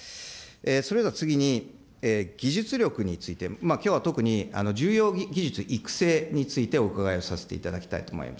それでは次に、技術力について、きょうは特に重要技術育成についてお伺いをさせていただきたいと思います。